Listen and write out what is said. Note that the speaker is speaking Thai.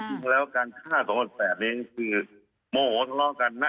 ทีนี้ก็แล้วกันฆ่า๒๘๘นี้คือโมโหทะเลาะกันน่ะ